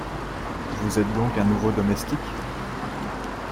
Vous êtes donc un nouveau domestique ?